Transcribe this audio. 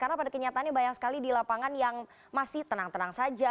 karena pada kenyataannya banyak sekali di lapangan yang masih tenang tenang saja